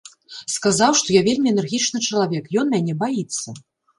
Сказаў, што я вельмі энергічны чалавек, ён мяне баіцца!